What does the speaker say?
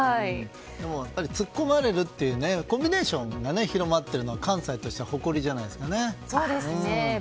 突っ込まれるってコンビネーションが広がると関西としては誇りじゃないですかね。